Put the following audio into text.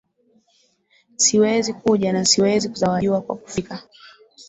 Siwezi kuja na siwezi kuzawadiwa kwa kufika